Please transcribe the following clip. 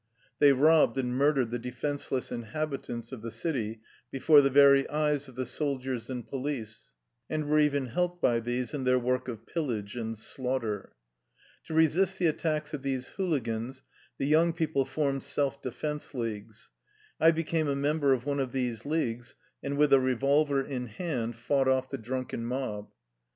They robbed and murdered the defense less inhabitants of the city before the very eyes of the soldiers and police, and were even helped by these in their work of pillage and slaugh ter. To resist the attacks of these hooligans, the young people formed self defense leagues. I be came a member of one of these leagues, and with a revolver in hand fought off the drunken mob.